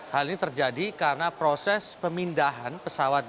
hal ini terjadi karena proses pemindahan pesawat